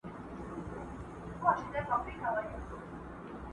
خپل عمل ورسره وړي خپل کردګار ته!!